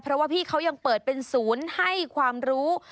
เพราะว่าพี่เขายังเปิดเป็นศูนย์ให้ความรู้